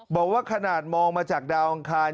บอกว่าขนาดมองมาจากดาวอังคาร